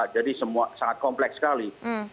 jadi semua sangat kompleks sekali